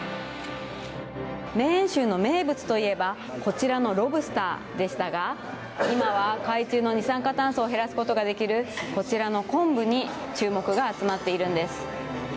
メーン州の名物といえば、こちらのロブスターでしたが、今は海中の二酸化炭素を減らすことができる、こちらの昆布に注目が集まっているんです。